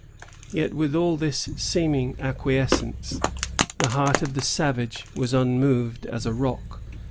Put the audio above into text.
Yet with all this seeming acquiescence, the heart of the savage was unmoved as a rock.